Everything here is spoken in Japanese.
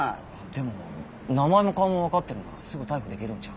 でも名前も顔もわかってるならすぐ逮捕できるんじゃ。